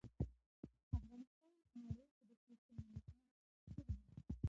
افغانستان په نړۍ کې د کوچیانو لپاره مشهور دی.